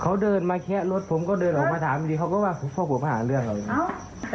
เขาเดินมาแคะรถผมก็เดินออกมาถามดิเขาก็ว่าพวกผมหาเรื่องเขา